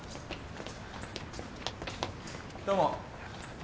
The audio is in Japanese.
どうも。